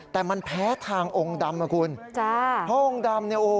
แต่มันแพ้ทางองค์ดำนะครับคุณ